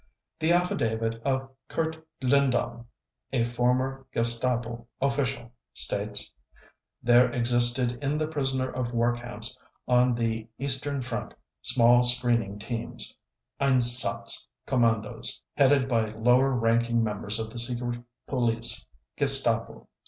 The affidavit of Kurt Lindown, a former Gestapo official, states: ".... There existed in the prisoner of war camps on the Eastern Front small screening teams (Einsatz commandos), headed by lower ranking members of the Secret Police (Gestapo).